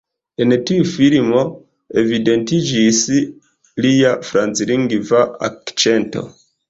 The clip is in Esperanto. En tiu filmo evidentiĝis lia franclingva akĉento.